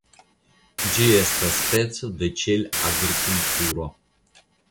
Ĝi estas speco de ĉelagrikulturo.